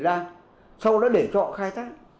để ra sau đó để cho họ khai tác